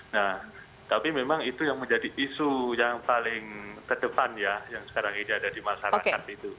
nah tapi memang itu yang menjadi isu yang paling ke depan ya yang sekarang ini ada di masyarakat itu